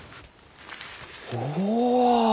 おお！